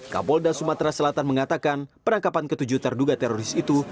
kapolda sumatera selatan mengatakan penangkapan ketujuh terduga teroris itu